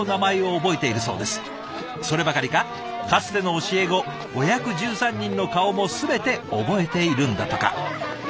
そればかりかかつての教え子５１３人の顔も全て覚えているんだとか。